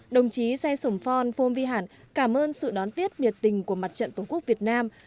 đồng chí say sổm phon phôn vi hẳn cảm ơn sự đón tiết miệt tình của mặt trận tổ quốc việt nam